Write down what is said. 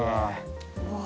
うわ。